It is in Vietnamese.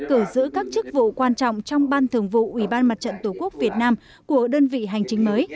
cử giữ các chức vụ quan trọng trong ban thường vụ ubndtqvn của đơn vị hành chính mới